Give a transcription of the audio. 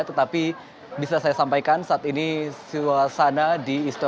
tetapi bisa saya sampaikan saat ini suasana di isto